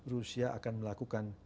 rusia akan melakukan